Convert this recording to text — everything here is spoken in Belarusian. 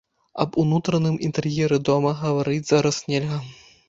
Аб унутраным інтэр'еры дома гаварыць зараз нельга.